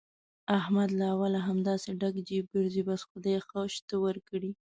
احمد له اوله همداسې ډک جېب ګرځي، بس خدای ښه شته ورکړي.